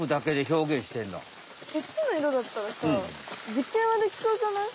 ３つの色だったらさじっけんはできそうじゃない？